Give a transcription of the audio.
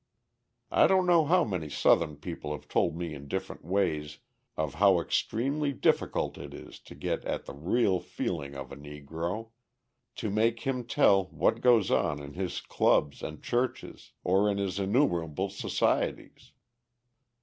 I don't know how many Southern people have told me in different ways of how extremely difficult it is to get at the real feeling of a Negro, to make him tell what goes on in his clubs and churches or in his innumerable societies.